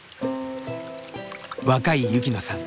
若い雪乃さん